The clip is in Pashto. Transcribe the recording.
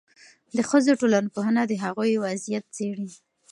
د ښځو ټولنپوهنه د هغوی وضعیت څېړي.